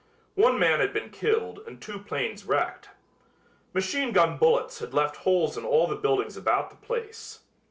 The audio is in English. One man had been killed and two planes wrecked. Machine gun bullets had left holes in all the buildings about the place.